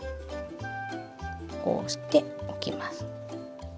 こうしておきます。